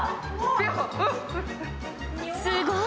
すごい。